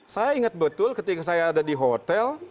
saya ingat betul ketika saya ada di hotel